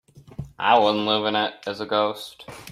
I wouldn't live in it as a ghost.